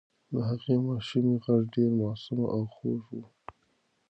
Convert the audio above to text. د هغې ماشومې غږ ډېر معصوم او خوږ و.